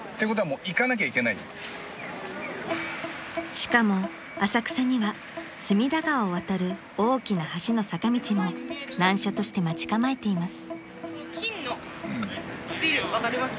［しかも浅草には隅田川を渡る大きな橋の坂道も難所として待ち構えています］